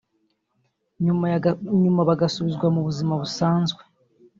nyuma bagasubizwa mu buzima busanzwe